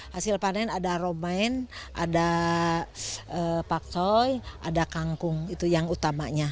hasil panen ada romain ada paksoi ada kangkung itu yang utamanya